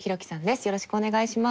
よろしくお願いします。